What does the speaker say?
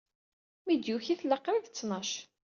Mi d-yuki, tella qrib d ttnac.